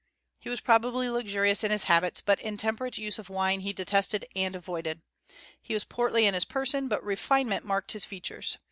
He was probably luxurious in his habits, but intemperate use of wine he detested and avoided. He was portly in his person, but refinement marked his features.